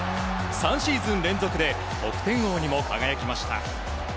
３シーズン連続で得点王にも輝きました。